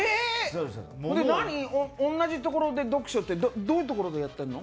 同じところで読書って、どういうところでやってんの？